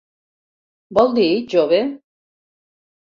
Vol dir, jove?